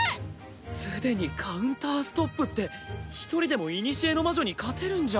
すでにカウンターストップって一人でも古の魔女に勝てるんじゃ。